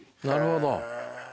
なるほど。